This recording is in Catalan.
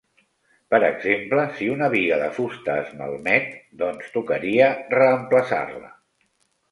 Per exemple, si una biga de fusta es malmet doncs tocaria reemplaçar-la.